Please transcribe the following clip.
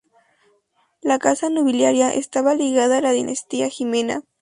La casa nobiliaria estaba ligada a la dinastía Jimena.